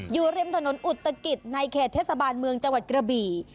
อยู่ริมถนนอุตกิจในเขตเทศบาลเมืองจังหวัดกระบี่